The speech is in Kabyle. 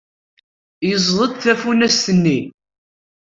Yeẓẓeg-d tafunast-nni.